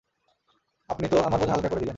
আপনি তো আমার বোঝা হালকা করে দিলেন।